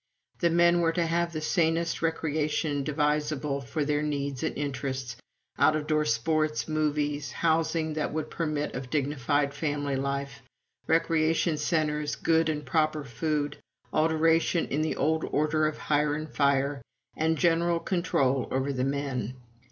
The men were to have the sanest recreation devisable for their needs and interests out of door sports, movies, housing that would permit of dignified family life, recreation centres, good and proper food, alteration in the old order of "hire and fire," and general control over the men.